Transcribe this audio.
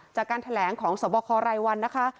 จากการแถลงของสวบครายวันนะคะ